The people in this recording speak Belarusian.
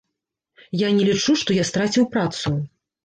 Я не лічу, што я страціў працу.